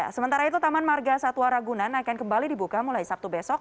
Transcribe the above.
sementara itu taman marga satwa ragunan akan kembali dibuka mulai sabtu besok